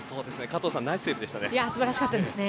加藤さんナイスセーブでしたね。